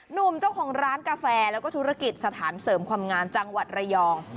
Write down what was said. หนุ่มเจ้าของร้านกาแฟแล้วก็ธุรกิจสถานเสริมความงามจังหวัดระยอง